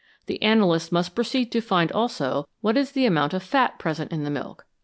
The analyst must proceed to find also what is the amount of fat present in the milk.